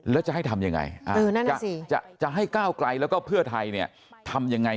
แล้วจะให้ทำยังไงจะให้ก้าวไกลแล้วก็เพื่อไทยเนี่ยทำยังไง